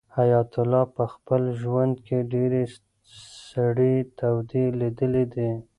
حیات الله په خپل ژوند کې ډېرې سړې تودې لیدلې دي.